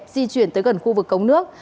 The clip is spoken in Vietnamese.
di chuyển tới gần khu vực cống nước